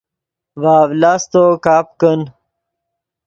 ڤے اڤلاستو کپ کن